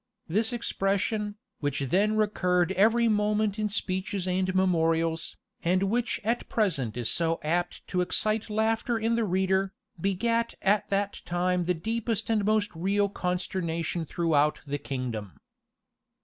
This expression, which then recurred every moment in speeches and memorials, and which at present is so apt to excite laughter in the reader, begat at that time the deepest and most real consternation throughout the kingdom.